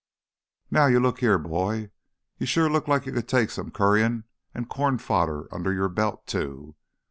Now you looky here, boy—you sure look like you could take some curryin' an' corn fodder under your belt too.